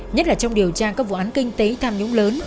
nhất là trong điều tra các vụ án kinh tế tham dũng